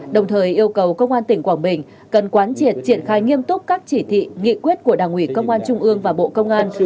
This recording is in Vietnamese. đồng thời yêu cầu công an tỉnh quảng bình cần quán triệt triển khai nghiêm túc các chỉ thị nghị quyết của đảng ủy công an trung ương và bộ công an